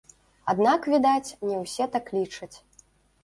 Аднак, відаць, не ўсе так лічаць.